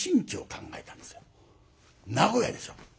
名古屋でしょ？